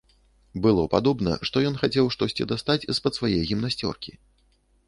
Было падобна, што ён хацеў штосьці дастаць з-пад свае гімнасцёркі.